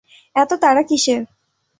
এতো তাড়া কিসের?